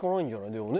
でもね。